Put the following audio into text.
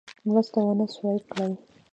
مرسته ونه سوه کړای.